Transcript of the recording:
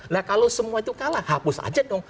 nah kalau semua itu kalah hapus aja dong